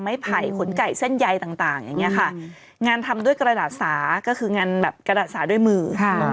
ไผ่ขนไก่เส้นใยต่างอย่างเงี้ยค่ะงานทำด้วยกระดาษสาก็คืองานแบบกระดาษสาด้วยมือ